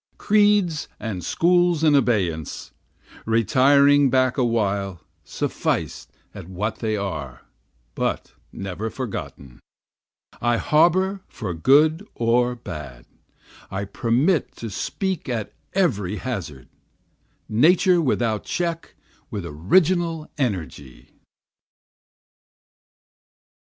Creeds and schools in abeyance, Retiring back a while sufficed at what they are, but never forgotten, I harbor for good or bad, I permit to speak at every hazard, Nature without check with original energy.